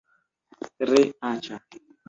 Tre aĉa